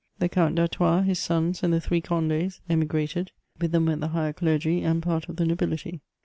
The Count d*Artois, his sons, and the three Condes, emigrated ; with them went the higher clergy and part of the nobility.